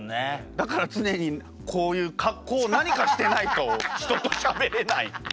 だから常にこういう格好を何かしてないと人としゃべれない。